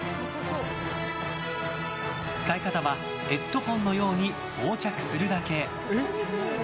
使い方はヘッドホンのように装着するだけ。